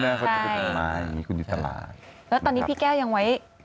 แล้วตอนนี้พี่แก้วยังไว้